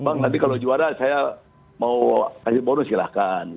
bang tapi kalau juara saya mau kasih bonus silahkan